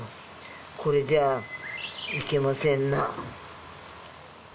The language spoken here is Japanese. これじゃあいけませんな